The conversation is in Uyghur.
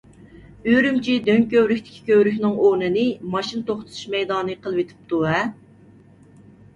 ئۈرۈمچى دۆڭكۆۋرۈكتىكى كۆۋرۈكنىڭ ئورنىنى ماشىنا توختىتىش مەيدانى قىلىۋېتىپتۇ-ھە.